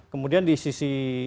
kemudian di sisi